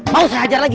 mau saya ajar lagi